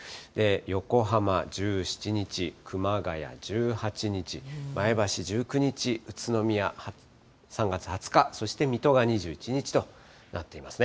横浜１７日、熊谷１８日、前橋１９日、宇都宮３月２０日、そして水戸が２１日となっていますね。